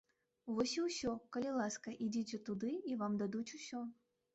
Вось і ўсё, калі ласка, ідзіце туды і вам дадуць усё!